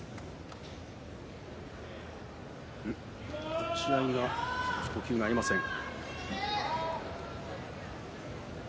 立ち合い少し呼吸が合いません。